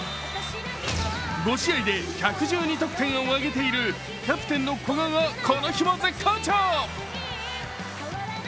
５試合で１１２得点を挙げているキャプテンの古賀がこの日も絶好調。